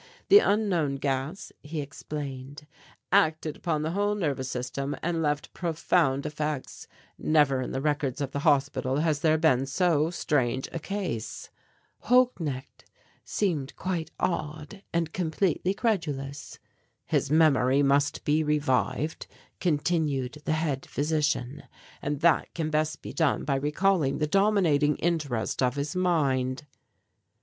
"The unknown gas," he explained, "acted upon the whole nervous system and left profound effects. Never in the records of the hospital has there been so strange a case." Holknecht seemed quite awed and completely credulous. "His memory must be revived," continued the head physician, "and that can best be done by recalling the dominating interest of his mind."